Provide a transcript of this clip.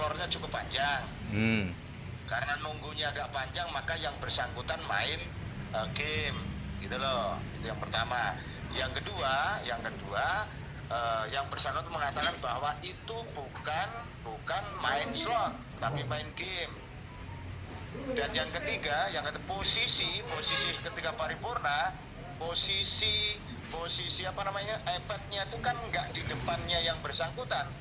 rapatnya itu kan enggak di depannya yang bersangkutan